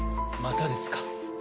またですか。